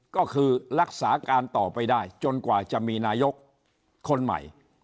ก็คือรักษาการต่อไปได้จนกว่าจะมีนายกคนใหม่